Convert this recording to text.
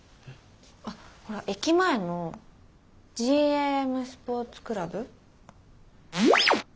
あっほら駅前のＧＡＭスポーツクラブ。